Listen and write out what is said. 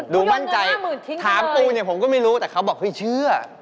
ดูมั่นใจถามปูเนี่ยผมก็ไม่รู้แต่เขาบอกเฮ้ยเชื่อ